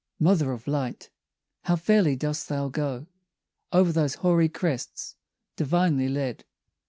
Mother of light! how fairly dost thou go Over those hoary crests, divinely led!